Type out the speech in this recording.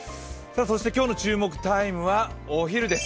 今日の注目タイムはお昼です。